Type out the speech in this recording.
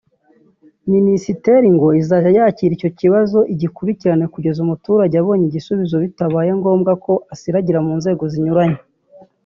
Minisiteri ngo izajya yakira icyo kibazo igikurikirane kugeza umuturage abonye igisubizo bitabaye ngombwa ko asiragira mu nzego zinyuranye